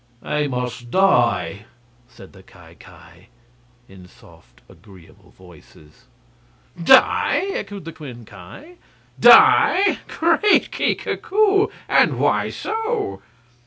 "They must die," said the Ki Ki, in soft and agreeable voices. "Die!" echoed the twin Ki, "die? Great Kika koo! And why so?"